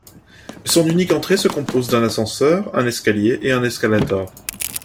Son unique entrée se compose d'un ascenseur, un escalier et un escalator.